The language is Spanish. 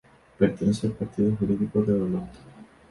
Pertenece al partido jurídico de Olot.